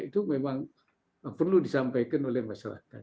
itu memang perlu disampaikan oleh masyarakat